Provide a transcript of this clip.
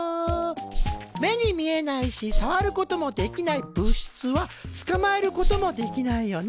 目に見えないしさわることもできない物質はつかまえることもできないよね。